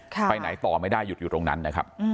ไปไหนต่อไม่ได้หยุดอยู่ตรงนั้นนะครับ